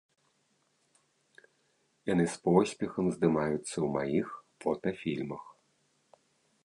Яны з поспехам здымаюцца ў маіх фота-фільмах.